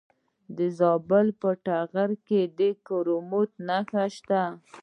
د زابل په اتغر کې د کرومایټ نښې شته.